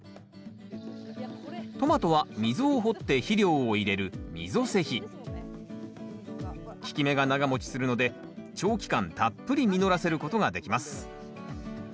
トマトは溝を掘って肥料を入れる効き目が長もちするので長期間たっぷり実らせることができます